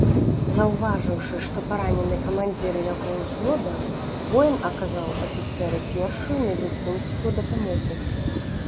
Заўважыўшы, што паранены камандзір яго ўзвода, воін аказаў афіцэру першую медыцынскую дапамогу.